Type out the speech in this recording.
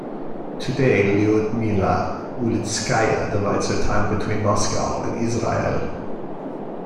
Today, Lyudmila Ulitskaya divides her time between Moscow and Israel.